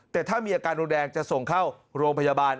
แต่ถ้ามีอาการรุนแรงจะส่งเข้าโรงพยาบาล